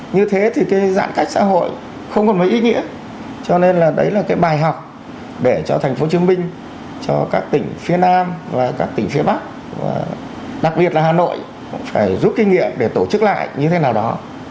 như thế thì cái giãn cách xã hội không còn mấy ý nghĩa cho nên là đấy là cái bài học để cho thành phố hồ chí minh cho các tỉnh phía nam và các tỉnh phía bắc và đặc biệt là hà nội phải rút kinh nghiệm để tổ chức lại như thế nào đó